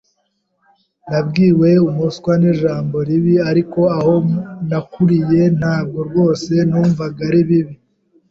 Nabwiwe "umuswa" ni ijambo ribi, ariko aho nakuriye ntabwo rwose numva ari bibi.